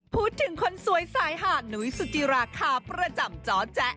พูดถึงคนสวยสายหาดหนุ้ยสุดที่ราคาประจำจ๊ะแจ๊ะ